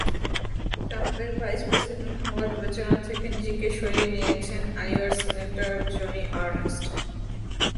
ট্রাম্পের vice president হওয়ার বিবেচনা থেকে নিজেকে সরিয়ে নিয়েছেন আইওয়ার সিনেটর জোনি আর্নেস্ট।